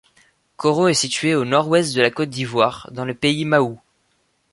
Koro est situé au nord-ouest de la Côte d’Ivoire, dans le pays Mahou.